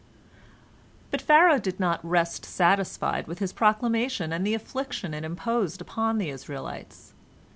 But Pharaoh did not rest satisfied with his proclamation and the affliction it imposed upon the Israelites.